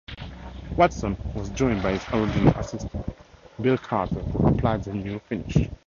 Watson was joined by his original assistant, Bill Carter who applied the new finish.